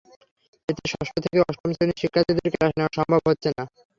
এতে ষষ্ঠ থেকে অষ্টম শ্রেণির শিক্ষার্থীদের ক্লাস নেওয়া সম্ভব হচ্ছে না।